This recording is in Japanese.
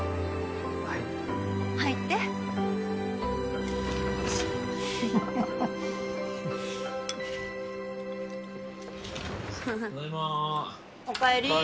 はい入ってただいまお帰り